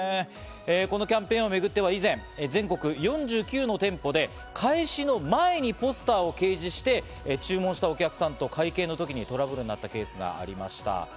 このキャンペーンをめぐっては、以前、全国４９の店舗で開始の前にポスターを掲示して注文したお客さんと会計の時にトラブルになったケースがありました。